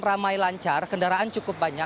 ramai lancar kendaraan cukup banyak